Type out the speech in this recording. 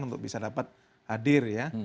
untuk bisa dapat hadir ya